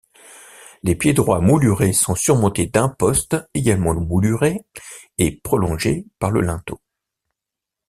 Les piédroits moulurés sont surmontés d'impostes également moulurées et prolongées par le linteau.